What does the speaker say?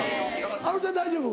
あのちゃん大丈夫？